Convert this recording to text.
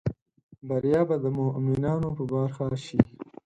بریا به د مومینانو په برخه شي